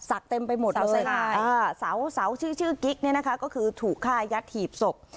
สักเต็มไปหมดเลยสาวสายลายอ่าสาวสาวชื่อชื่อกิ๊กเนี้ยนะคะก็คือถูกฆ่ายัดหีบศพ